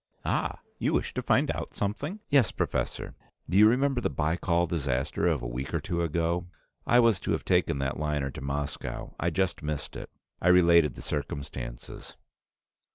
"Ah! You wish to find out something?" "Yes, professor. Do you remember the Baikal disaster of a week or two ago? I was to have taken that liner to Moscow. I just missed it." I related the circumstances.